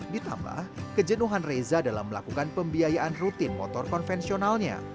ditambah kejenuhan reza dalam melakukan pembiayaan rutin motor konvensionalnya